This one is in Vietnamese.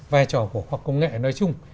vai trò của khoa học công nghệ nói chung